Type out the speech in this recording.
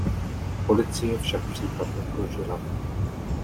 Policie však případ odložila.